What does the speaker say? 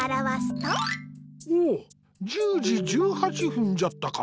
おおっ１０時１８分じゃったか。